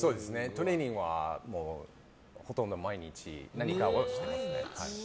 トレーニングは、ほとんど毎日何かはしてますね。